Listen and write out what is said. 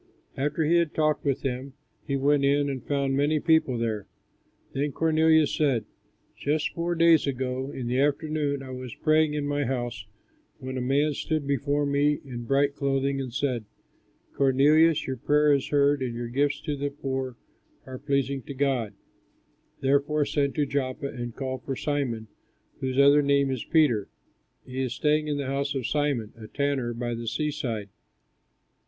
After he had talked with him, he went in, and found many people there. Then Cornelius said, "Just four days ago, in the afternoon, I was praying in my house, when a man stood before me in bright clothing, and said, 'Cornelius, your prayer is heard, and your gifts to the poor are pleasing to God. Send therefore to Joppa, and call for Simon, whose other name is Peter; he is staying in the house of Simon, a tanner, by the seaside.'